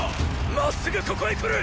まっすぐここへ来る！